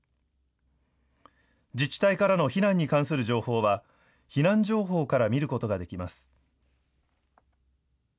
自治体からの避難に関する情報は避難情報から見ることができます。